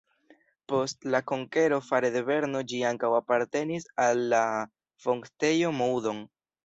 Post la konkero fare de Berno ĝi ankaŭ apartenis al la Voktejo Moudon.